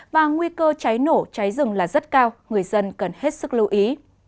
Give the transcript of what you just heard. và nguy cơ cháy nổ cháy rừng là rất cao người dân cần hết sức lưu ý